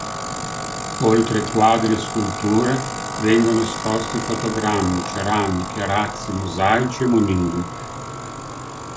Oltre quadri e sculture, vengono esposti fotogrammi, ceramiche, arazzi, mosaici e monili.